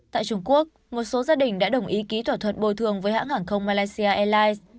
tại trung quốc một số gia đình đã đồng ý ký thỏa thuận bồi thường với hãng hàng không malaysia airlines